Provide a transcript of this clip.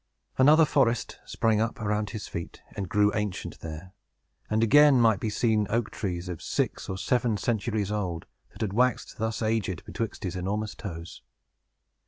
Another forest sprang up around his feet, and grew ancient there; and again might be seen oak trees, of six or seven centuries old, that had waxed thus aged betwixt his enormous toes.